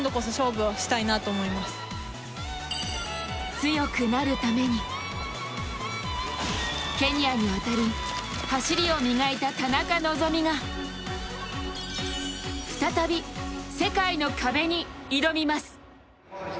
強くなるために、ケニアに渡り走りを磨いた田中希実が再び世界の壁に挑みます。